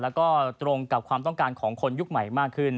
แล้วก็ตรงกับความต้องการของคนยุคใหม่มากขึ้น